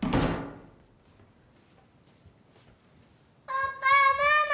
・パパママ！